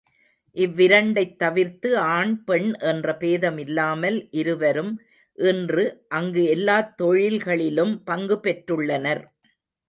இவ்விரண்டைத் தவிர்த்து ஆண் பெண் என்ற பேதமில்லாமல் இருவரும் இன்று அங்கு எல்லாத் தொழில்களிலும் பங்கு பெற்றுள்ளனர்.